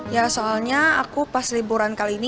ya soalnya aku pas liburan kali ini